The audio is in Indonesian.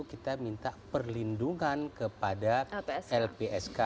kita minta perlindungan kepada lpsk